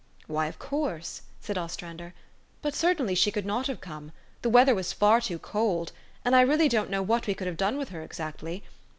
" "Why, of course," said Ostrander. "But cer tainty she could not have come. The weather was far too cold, and I really don't know what we could have done with her exactly.